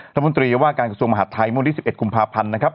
นักบันตรีว่าการกระทรวงมหาดไทยมศ๑๑คุมภาพันธ์นะครับ